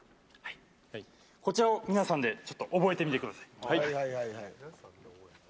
こちらを皆さんで、ちょっと覚えてみてください。